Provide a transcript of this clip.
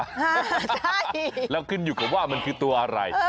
ใช่แล้วขึ้นอยู่กับว่ามันคือตัวอะไร